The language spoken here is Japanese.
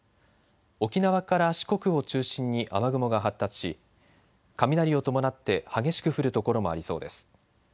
沖縄から四国を中心に雨雲が発達し雷を伴って激しく降る所もありそうです。